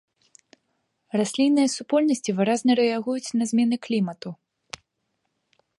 Раслінныя супольнасці выразна рэагуюць на змены клімату.